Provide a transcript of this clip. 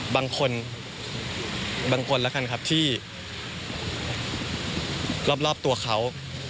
บางคนบางคนแล้วกันครับที่รอบตัวเขา